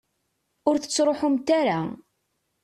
Ur tettruḥumt ara.